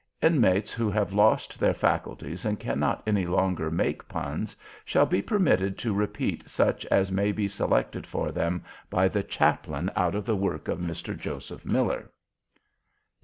Inmates who have lost their faculties and cannot any longer make Puns shall be permitted to repeat such as may be selected for them by the Chaplain out of the work of Mr. Joseph Miller. 10.